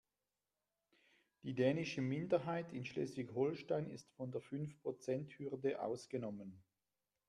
Die dänische Minderheit in Schleswig-Holstein ist von der Fünfprozenthürde ausgenommen.